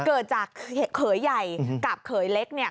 เกิดจากเขยใหญ่กับเขยเล็กเนี่ย